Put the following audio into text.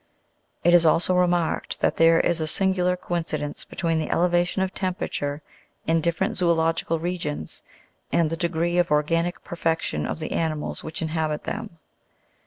It is also remarked that there is a singular coincidence between the elevation of temperature in different zoological regions, and the degree of organic perfection of the animals which inhabit them.